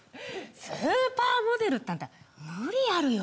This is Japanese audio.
スーパーモデルってアンタ無理あるよ。